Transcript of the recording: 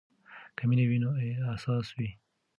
که مینه وي نو اساس وي.